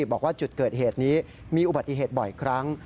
บอกว่าจุดเกิดเหตุนี้มีอุบัติเหตุบ่อยครั้ง